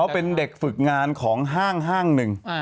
เป็นเด็กฝึกงานของห้างหนึ่ง